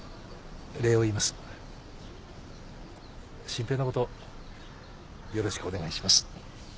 真平のことよろしくお願いします。